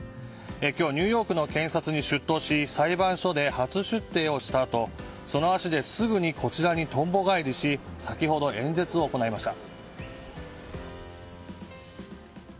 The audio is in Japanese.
今日ニューヨークの検察に出頭し裁判所で初出廷をしたあとその足で、すぐにこちらにとんぼ返りし先ほど演説を行いました。